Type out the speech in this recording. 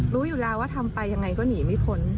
รู้อยู่แล้วว่าทำไปยังไงก็หนีไม่พ้น